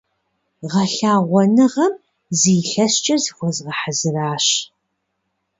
Гъэлъэгъуэныгъэм зы илъэскӀэ зыхуэзгъэхьэзыращ.